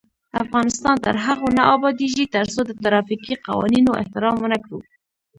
افغانستان تر هغو نه ابادیږي، ترڅو د ترافیکي قوانینو احترام ونکړو.